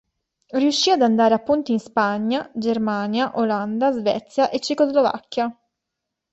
Riuscì ad andare a punti in Spagna, Germania, Olanda, Svezia e Cecoslovacchia.